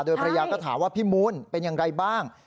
ภรรยาก็ถามว่าพี่มูลเป็นอย่างไรบ้าง